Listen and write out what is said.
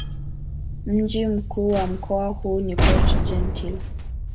Mji mkuu wa mkoa huu ni Port-Gentil.